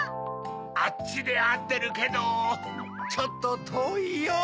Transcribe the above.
あっちであってるけどちょっととおいよ。